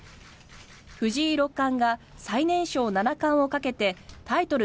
藤井六冠が最年少七冠をかけてタイトル